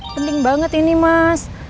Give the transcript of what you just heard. penting banget ini mas